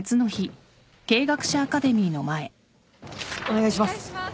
お願いします。